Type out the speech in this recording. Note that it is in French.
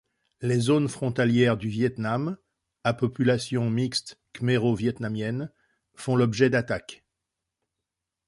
Les zones frontalières du Viêt Nam, à population mixte khmero-vietnamienne, font l'objet d'attaques.